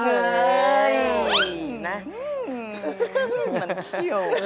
เหมือนพี่โอ